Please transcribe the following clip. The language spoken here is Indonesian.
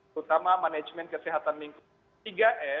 terutama manajemen kesehatan lingkungan